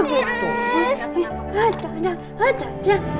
gak mau lagi masuk